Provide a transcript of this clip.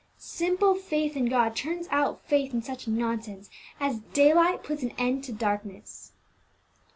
Simple faith in God turns out faith in such nonsense, as daylight puts an end to darkness."